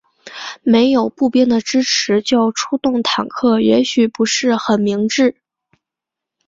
没有步兵的支持就出动坦克也许不是很明智。